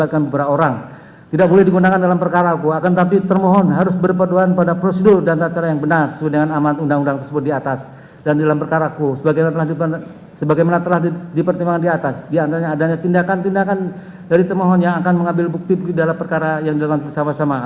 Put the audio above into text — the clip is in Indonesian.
dan memperoleh informasi yang benar jujur tidak diskriminasi tentang kinerja komisi pemberantasan korupsi harus dipertanggungjawab